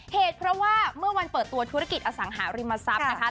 เหตุเพราะว่าเมื่อวันเปิดตัวธุรกิจอสังหาริมทรัพย์นะคะ